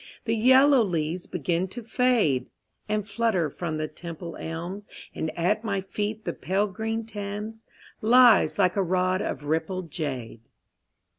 The yellow leaves begin to fade And flutter from the Temple elms, And at my feet the pale green Thames Lies like a rod of rippled jade.